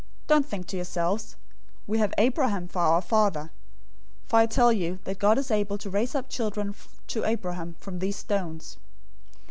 003:009 Don't think to yourselves, 'We have Abraham for our father,' for I tell you that God is able to raise up children to Abraham from these stones.